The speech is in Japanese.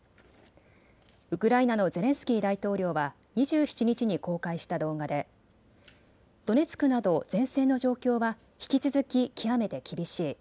ウクライナのゼレンスキー大統領は２７日に公開した動画でドネツクなど前線の状況は引き続き極めて厳しい。